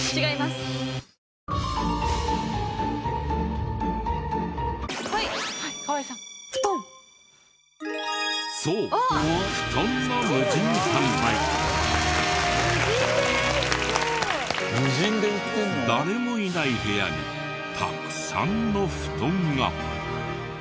すごい！誰もいない部屋にたくさんの布団が。